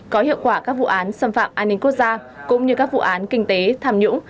có hiệu quả các vụ án xâm phạm an ninh quốc gia cũng như các vụ án kinh tế tham nhũng